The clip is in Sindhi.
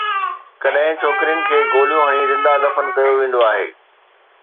ڪڏهن ڇوڪرين کي گوليون هڻي زنده دفن ڪيو ويندو آهي